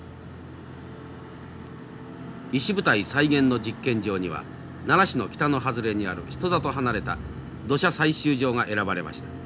石舞台再現の実験場には奈良市の北の外れにある人里離れた土砂採集場が選ばれました。